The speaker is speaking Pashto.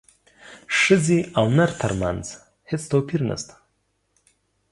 ښځې او نر ترمنځ هیڅ توپیر نشته